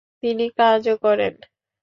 তিনি কাজও করেন।